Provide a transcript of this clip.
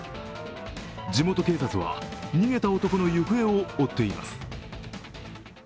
地元警察は逃げた男の行方を追っています。